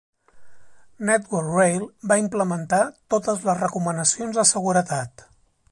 Network Rail va implementar totes les recomanacions de seguretat.